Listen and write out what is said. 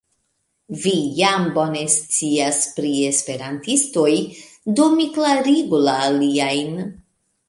Vi jam bone scias pri esperantistoj, do mi klarigu la aliajn.